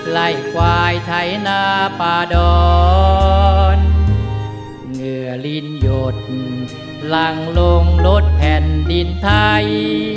ไล่ควายไถนาป่าดอนเหงื่อลิ้นหยดหลังลงรถแผ่นดินไทย